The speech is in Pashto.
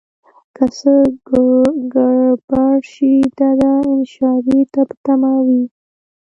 که څه ګړبړ شي دده اشارې ته په تمه وي.